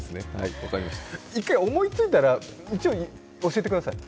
１回思いついたら一応、教えてください。